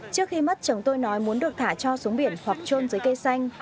trước khi mất chồng tôi nói muốn được thả cho xuống biển hoặc trôn dưới cây xanh